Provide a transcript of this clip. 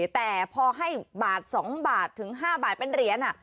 แต่พอให้บาท๒บาทถึง๕บาทเป็นเหรียญ